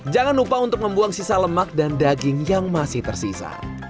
jangan lupa untuk membuang sisa lemak dan daging yang masih tersisa